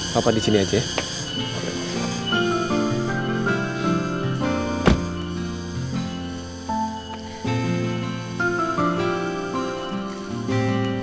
bapak di sini aja ya